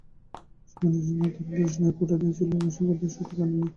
শিবনিন্দুকরা তাঁর বয়স নিয়ে খোঁটা দিয়েছিল, কিন্তু সে কথা সতী কানে নেন নি।